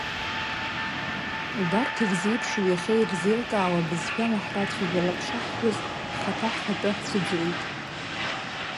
Убарҭ ирзеиԥшу, иахьа ирзеилкаауа абызшәала ҳрацәажәалап шаҳҳәоз, ҳхаҭа ҳхатәы ҳцәыӡуеит.